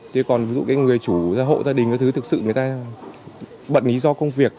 thế còn người chủ hộ gia đình thực sự người ta bận ý do công việc